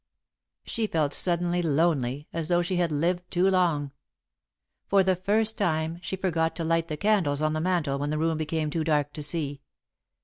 She felt suddenly lonely, as though she had lived too long. For the first time, she forgot to light the candles on the mantel when the room became too dark to see.